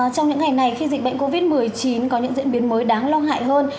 trong những ngày này khi dịch bệnh covid một mươi chín có những diễn biến mới đáng lo ngại hơn